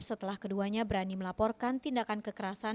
setelah keduanya berani melaporkan tindakan kekerasan